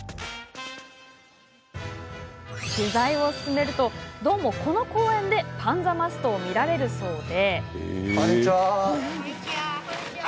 取材を進めるとどうもこの公園でパンザマストを見られるそうで。